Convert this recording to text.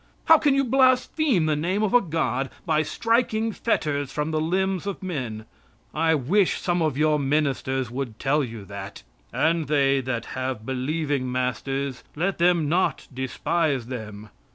How can you blaspheme the name of a God by striking fetters from the limbs of men? I wish some of your ministers would tell you that. "And they that have believing masters let them not despise them."